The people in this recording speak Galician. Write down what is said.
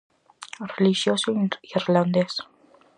Relixioso irlandés.